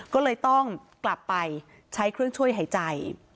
ก็เลยต้องกลับไปใช้เครื่องช่วยหายใจ